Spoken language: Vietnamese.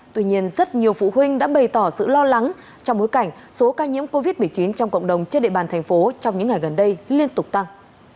tuy nhiên rất nhiều phụ huynh đã bày tỏ sự lo lắng trong bối cảnh số ca nhiễm covid một mươi chín trong cộng đồng trên địa bàn thành phố trong những ngày gần đây liên tục tăng